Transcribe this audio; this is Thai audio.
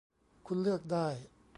คุณเลือกได้